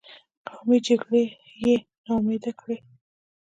قومي جرګې یې نا امیده کړې.